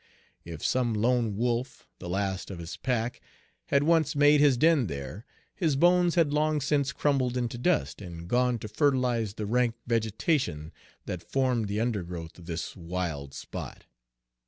If some lone wolf, the last of his pack, had once made his den there, his bones had long since crumbled into dust and gone to fertilize the rank vegetation that formed the undergrowth of this wild spot.